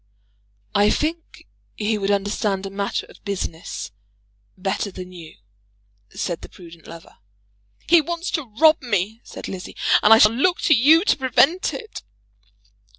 "I think he would understand a matter of business better than you," said the prudent lover. "He wants to rob me," said Lizzie, "and I shall look to you to prevent it."